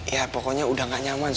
ya pokoknya udah nggak nyaman sus